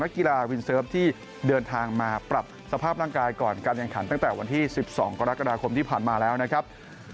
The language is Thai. กีฬาวินเซิร์ฟที่เดินทางมาปรับสภาพร่างกายก่อนการแข่งขันตั้งแต่วันที่๑๒กรกฎาคมที่ผ่านมาแล้วนะครับ